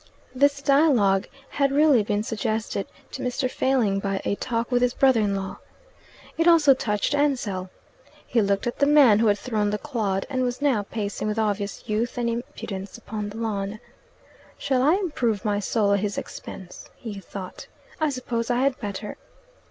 This dialogue had really been suggested to Mr. Failing by a talk with his brother in law. It also touched Ansell. He looked at the man who had thrown the clod, and was now pacing with obvious youth and impudence upon the lawn. "Shall I improve my soul at his expense?" he thought. "I suppose I had better."